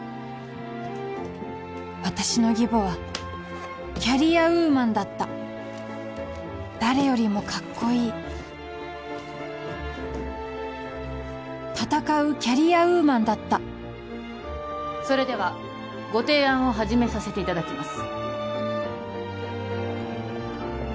私の義母はキャリアウーマンだった誰よりもカッコいい戦うキャリアウーマンだったそれではご提案を始めさせていただきます